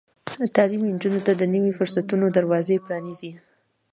تعلیم نجونو ته د نويو فرصتونو دروازې پرانیزي.